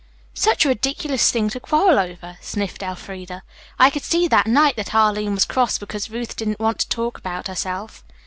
"Such a ridiculous thing to quarrel over," sniffed Elfreda. "I could see that night that Arline was cross because Ruth didn't want to talk about herself."